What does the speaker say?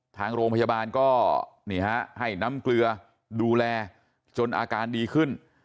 ทางโรงพยาบาลก็ให้น้ำเกลือดูแลจนอาการดีขึ้น